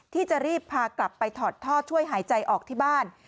ที่จะรีบพากลับไปถอดท่อช่วยหายใจออกที่บ้าน